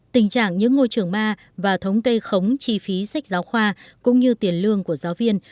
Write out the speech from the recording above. tình trạng những ngôi trường ma và thống kê khống chi phí sách giáo khoa cũng như tiền lương của giáo viên